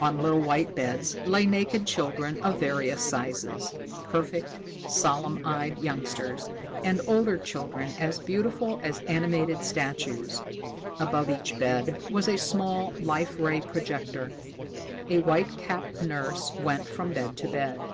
On little white beds lay naked children of various sizes, perfect, solemn eyed youngsters and older children as beautiful as animated statues. Above each bed was a small Life Ray projector. A white capped nurse went from bed to bed.